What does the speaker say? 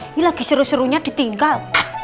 ini lagi seru serunya ditinggal